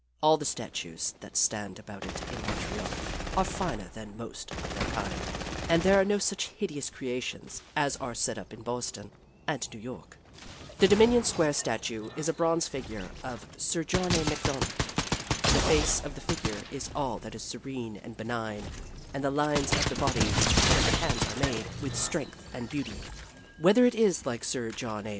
All the statues that stand about in Montreal are finer than most of their kind, and there are no such hideous creations as are set up in Boston and New York. The Dominion Square statue is a bronze figure of a Sir John A. MacDonald. The face of the figure is all that is serene and benign, and the lines of the body and of the hands are made with strength and beauty. Whether it is like Sir John A.